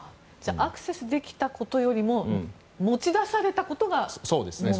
アクセスできたことよりも持ち出されたことが問題という。